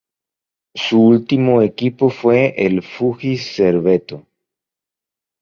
Su último equipo fue el Fuji-Servetto.